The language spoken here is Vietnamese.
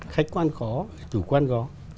khách quan có chủ quan có